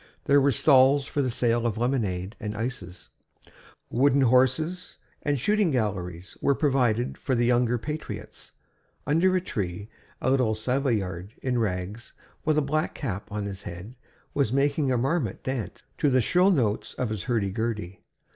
There were stalls for the sale of lemonade and ices; wooden horses and shooting galleries were provided for the younger patriots. Under a tree, a little Savoyard in rags, with a black cap on his head, was making a marmot dance to the shrill notes of his hurdy gurdy.